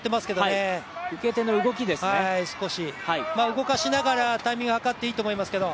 動かしながら、タイミング図っていいと思いますけど。